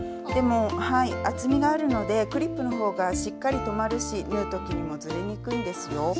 でもはい厚みがあるのでクリップの方がしっかり留まるし縫う時にもずれにくいんですよ。